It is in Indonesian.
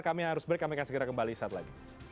kami harus break kami akan segera kembali saat lagi